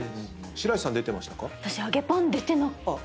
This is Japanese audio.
白石さん出てましたか？